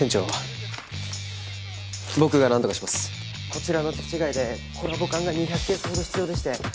こちらの手違いでコラボ缶が２００ケースほど必要でして。